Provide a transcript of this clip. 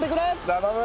頼む！